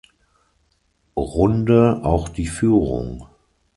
Runde auch die Führung.